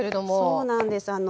そうなんですはい。